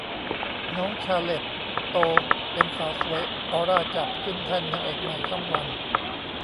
น้องชาร์เลท โตเป็นสาวสวย ออร่าจับ ขึ้นแท่นนางเอกใหม่ช่องวัน